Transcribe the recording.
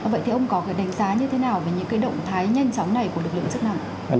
vậy thì ông có cái đánh giá như thế nào về những cái động thái nhanh chóng này của lực lượng chức năng